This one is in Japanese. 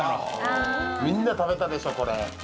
みんな食べたでしょ、これ。